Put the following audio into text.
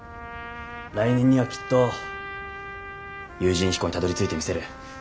来年にはきっと有人飛行にたどりついてみせる。